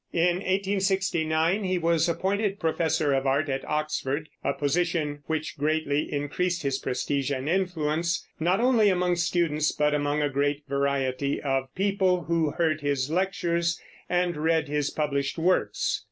In 1869 he was appointed professor of art at Oxford, a position which greatly increased his prestige and influence, not only among students but among a great variety of people who heard his lectures and read his published works.